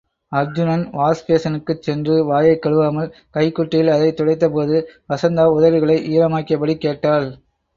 Arjunan wash பேசினுக்குச் சென்று வாயைக் கழுவாமல், கைக்குட்டையில் அதை துடைத்தபோது, வசந்தா உதடுகளை ஈரமாக்கியபடி கேட்டாள்.